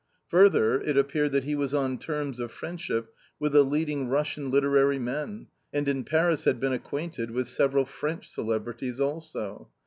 Further it appeared that he was on terms of friendship with the leading Russian literary men, and in Paris had been acquainted with several French cele brities also.